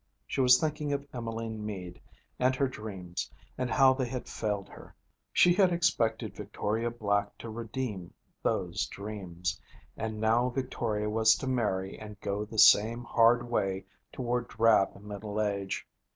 She was thinking of Emmeline Mead and her dreams, and how they had failed her. She had expected Victoria Black to redeem those dreams. And now Victoria was to marry and go the same hard way toward drab middle age.